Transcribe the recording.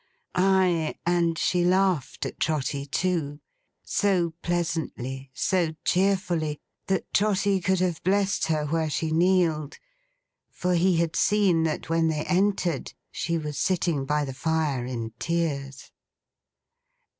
Ay, and she laughed at Trotty too—so pleasantly, so cheerfully, that Trotty could have blessed her where she kneeled; for he had seen that, when they entered, she was sitting by the fire in tears.